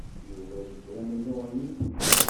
Yuba yefra amennuɣ-nni.